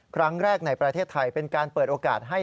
ครั้งแรกในประเทศไทยเป็นการเปิดโอกาสให้